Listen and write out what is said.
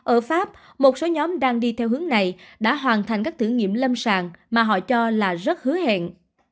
ở pháp một số nhóm đang đi theo hướng này đã hoàn thành các thử nghiệm lâm sàng mà họ cho là rất hứa hẹn